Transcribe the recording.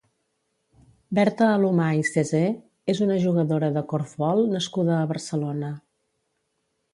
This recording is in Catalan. Berta Alomà i Sesé és una jugadora de corfbol nascuda a Barcelona.